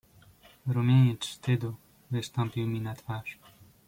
"Rumieniec wstydu wystąpił mi na twarz."